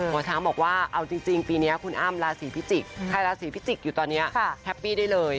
หมอช้างบอกว่าเอาจริงปีนี้คุณอ้ำราศีพิจิกษ์ใครราศีพิจิกอยู่ตอนนี้แฮปปี้ได้เลย